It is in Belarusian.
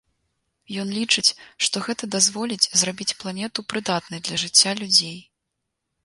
Ён лічыць, што гэта дазволіць зрабіць планету прыдатнай для жыцця людзей.